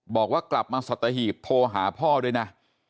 บอกว่ากลับมาสัตหีบโทรหาพ่อด้วยนะ